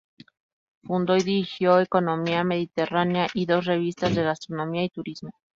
Fundó y dirigió "Economía Mediterránea" y dos revistas de gastronomía y turismo.